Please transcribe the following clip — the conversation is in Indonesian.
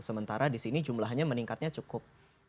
sementara di sini jumlahnya meningkatnya cukup